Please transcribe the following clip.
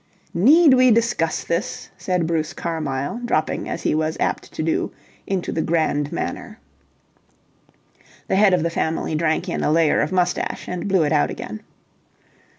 "Need we discuss this?" said Bruce Carmyle, dropping, as he was apt to do, into the grand manner. The Head of the Family drank in a layer of moustache and blew it out again.